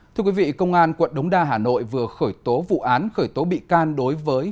thưa quý vị công an quận đống đa hà nội vừa khởi tố vụ án khởi tố bị can đối với